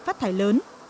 phát thải lớn